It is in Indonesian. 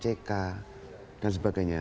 pelayanan ck dan sebagainya